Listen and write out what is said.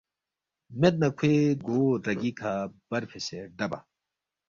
مید نہ کھوے گو رَگی کھہ برفیسے ردَبا